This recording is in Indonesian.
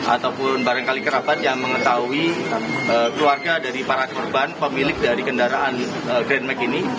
ataupun barangkali kerabat yang mengetahui keluarga dari para korban pemilik dari kendaraan grandmack ini